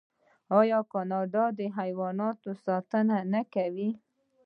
آیا کاناډا د حیواناتو ساتنه نه کوي؟